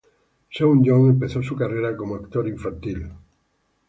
Seung-yoon empezó su carrera como actor infantil.